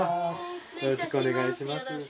よろしくお願いします。